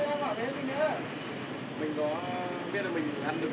mình có biết là mình ăn được